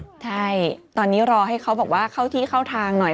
ใช่ตอนนี้รอให้เขาบอกว่าเข้าที่เข้าทางหน่อย